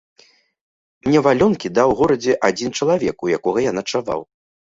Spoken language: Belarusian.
Мне валёнкі даў у горадзе адзін чалавек, у якога я начаваў.